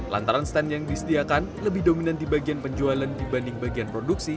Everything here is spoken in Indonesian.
lantaran stand yang disediakan lebih dominan di bagian penjualan dibanding bagian produksi